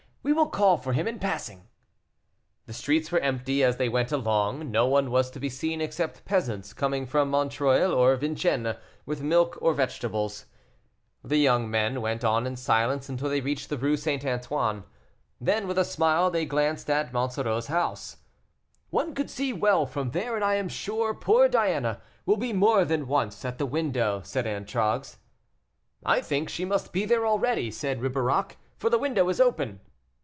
We will call for him in passing." The streets were empty as they went along; no one was to be seen except peasants coming from Montreuil or Vincennes, with milk or vegetables. The young men went on in silence until they reached the Rue St. Antoine. Then, with a smile, they glanced at Monsoreau's house. "One could see well from there, and I am sure poor Diana will be more than once at the window," said Antragues. "I think she must be there already," said Ribeirac, "for the window is open."